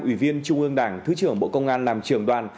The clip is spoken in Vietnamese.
ủy viên trung ương đảng thứ trưởng bộ công an làm trưởng đoàn